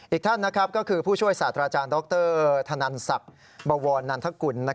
อีกท่านก็คือผู้ช่วยศาสตราจารย์ดรธนันศักดิ์บวรนันทกุล